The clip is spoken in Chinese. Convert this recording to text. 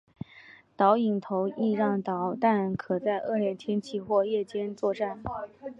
导引头亦让导弹可在恶劣天气或夜间作战。